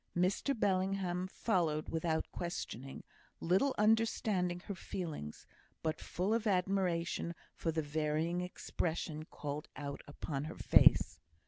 Mr Bellingham followed without questioning, little understanding her feelings, but full of admiration for the varying expression called out upon her face.